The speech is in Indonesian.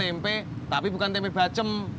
tunggu ada tempe tapi bukan tempe bacem